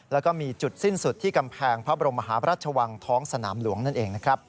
แล้วก็มีจุดสิ้นสุดที่กำแพงพระบรมมหาพระราชวังท้องสนามหลวงนั่นเองนะครับ